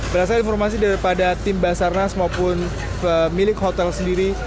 berdasarkan informasi daripada tim basarnas maupun pemilik hotel sendiri